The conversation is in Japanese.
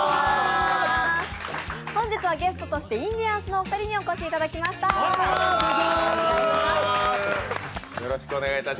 本日はゲストとしてインディアンスのお二人にお越しいただきました。